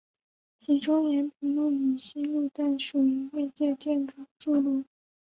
其中延平路以西路段属于越界筑路。